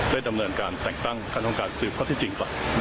ได้ดำเนินการแต่งตั้งขั้นต้องการสืบเขาที่จริงก่อน